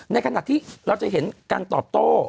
ในขณะที่เราจะเห็นการตอบโต้